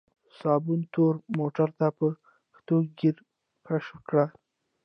سباوون تور موټر ته په کتو ږيرې کش کړ.